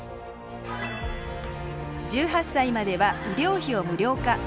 １８歳までは医療費を無料化。